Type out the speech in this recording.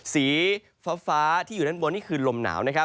สีฟ้าที่อยู่ด้านบนคือลมหนาว